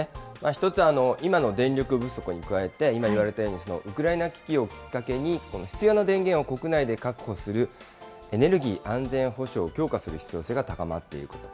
一つは、今の電力不足に加えて、今言われたように、ウクライナ危機をきっかけに必要な電源を国内で確保するエネルギー安全保障を強化する必要性が高まっていること。